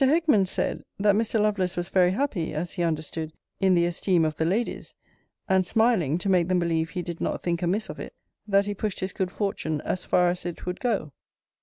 Hickman said, that Mr. Lovelace was very happy, as he understood, in the esteem of the ladies; and smiling, to make them believe he did not think amiss of it, that he pushed his good fortune as far as it would go.